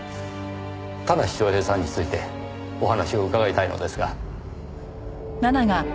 田無昌平さんについてお話を伺いたいのですが。